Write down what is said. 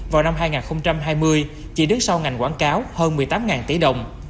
vào năm hai nghìn hai mươi chỉ đứng sau ngành quảng cáo hơn một mươi tám tỷ đồng